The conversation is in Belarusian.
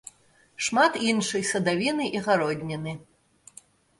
Шмат іншай садавіны і гародніны.